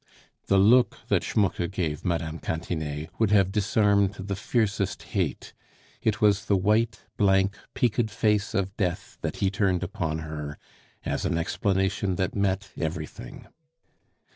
The look that Schmucke gave Mme. Cantinet would have disarmed the fiercest hate; it was the white, blank, peaked face of death that he turned upon her, as an explanation that met everything.